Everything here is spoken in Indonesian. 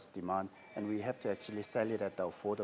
dan kita harus menjualnya dengan harga yang berharga